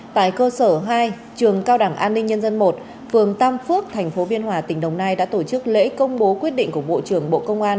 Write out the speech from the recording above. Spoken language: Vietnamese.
tại cơ sở hai trường cao đẳng an ninh nhân dân một phường tam phước thành phố biên hòa tỉnh đồng nai đã tổ chức lễ công bố quyết định của bộ trưởng bộ công an